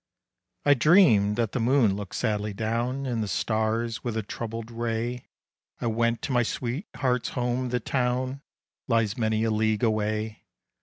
I dreamed that the moon looked sadly down, And the stars with a troubled ray; I went to my sweetheart's home the town Lies many a league away.